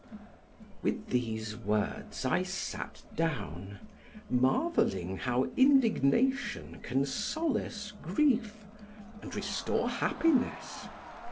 With these words I sat down, marveling how indignation can solace grief and restore happiness.